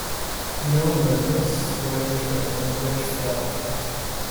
No motorists were injured when the bridge failed.